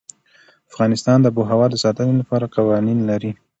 افغانستان د آب وهوا د ساتنې لپاره قوانين لري.